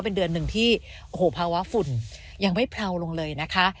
เป็นเดือนหนึ่งที่โอ้โหภาวะฝุ่นยังไม่เผาลงเลยนะคะ